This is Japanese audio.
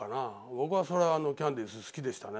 僕はそれはキャンディーズ好きでしたね。